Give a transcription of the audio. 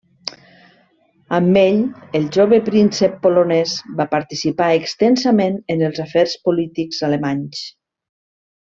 Amb ell el jove príncep polonès va participar extensament en els afers polítics alemanys.